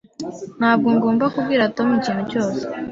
Ntabwo ngomba kubwira Tom ikintu cyose.